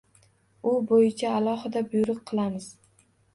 U boʻyicha alohida buyruq qilamiz.